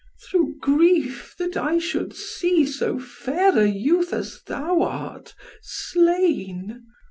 "Through grief, that I should see so fair a youth as thou art, slain."